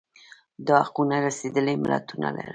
دا حقونه رسېدلي ملتونه لرل